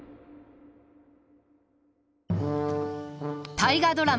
大河ドラマ